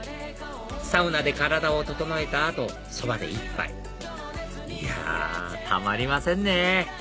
サウナで体を整えた後そばで一杯いやたまりませんね！